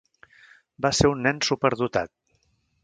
Va ser un nen superdotat.